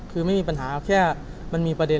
คือไม่มีปัญหาแค่มันมีประเด็น